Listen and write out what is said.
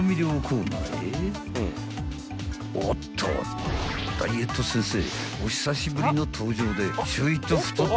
［おっとダイエット先生お久しぶりの登場で］